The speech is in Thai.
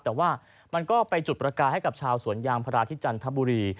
แต่ว่ามันก็ไปจุดประกายให้กับชาวสวนยางพาราที่จันทบุรี